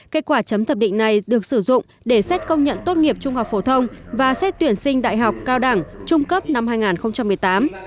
kết quả chấm thẩm định này được sử dụng để xét công nhận tốt nghiệp trung học phổ thông và xét tuyển sinh đại học cao đẳng trung cấp năm hai nghìn một mươi tám